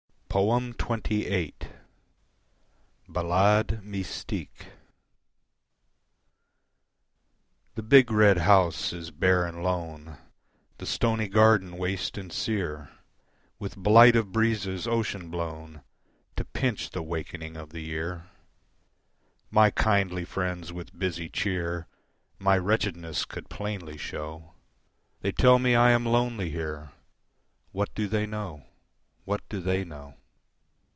XXVIII. Ballade Mystique The big, red house is bare and lone The stony garden waste and sere With blight of breezes ocean blown To pinch the wakening of the year; My kindly friends with busy cheer My wretchedness could plainly show. They tell me I am lonely here What do they know? What do they know?